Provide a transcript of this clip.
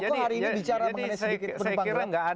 jadi saya kira nggak ada